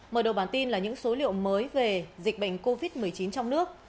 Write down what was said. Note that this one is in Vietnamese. mở đầu bản tin là những số liệu mới về dịch bệnh covid một mươi chín trong nước